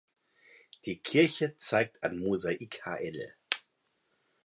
Die Kirche zeigt ein Mosaik hl.